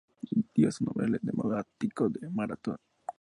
Dio su nombre al demo ático de Maratón.